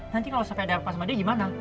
nanti kalau sampai ada apa sama dia gimana